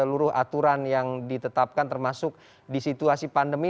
jangan lupa kita update seluruh aturan yang ditetapkan termasuk di situasi pandemi